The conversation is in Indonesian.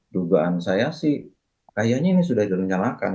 dugaan saya sih kayaknya ini sudah direnyalakan